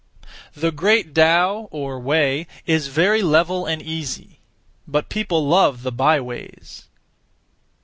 The great Tao (or way) is very level and easy; but people love the by ways.